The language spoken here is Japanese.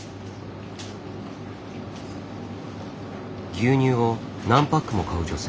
牛乳を何パックも買う女性。